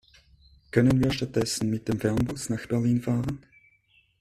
Können wir stattdessen mit dem Fernbus nach Berlin fahren?